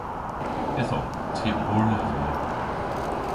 Ytho ty a wor neuvya.